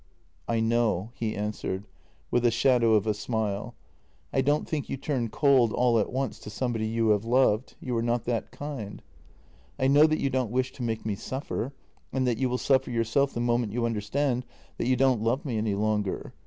" I know," he answered, with a shadow of a smile. " I don't think you turn cold all at once to somebody you have loved — you are not that kind. I know that you don't wish to make me suffer, and that you will suffer yourself the moment you understand that you don't love me any longer.